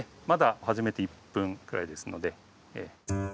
まだ始めて１分くらいですので。